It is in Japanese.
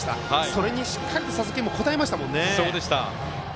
それにしっかりと佐々木君も応えましたよね。